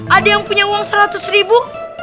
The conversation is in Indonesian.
ada yang punya uang seratus ribu